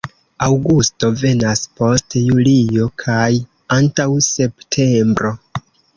Aŭgusto venas post julio kaj antaŭ septembro.